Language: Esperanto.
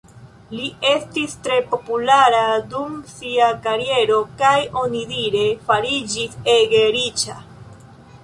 Li estis tre populara dum sia kariero, kaj onidire fariĝis ege riĉa.